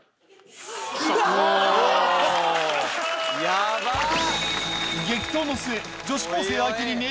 ヤバっ！